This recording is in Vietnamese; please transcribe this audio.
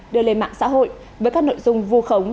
đưa lên mạng xã hội với các nội dung vu khống